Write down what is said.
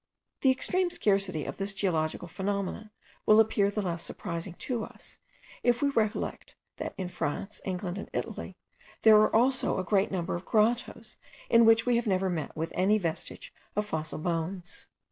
The extreme scarcity of this geological phenomenon will appear the less surprising to us, if we recollect, that in France, England, and Italy, there are also a great number of grottoes in which we have never met with any vestige of fossil bones.